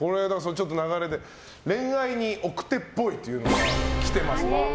流れで恋愛に奥手っぽいというのがきてますが。